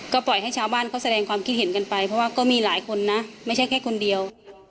ก็ปล่อยให้ชาวบ้านเขาแสดงความคิดเห็นกันไปเพราะว่าก็มีหลายคนนะไม่ใช่แค่คนเดียว